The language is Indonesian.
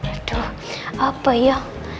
aduh apa ya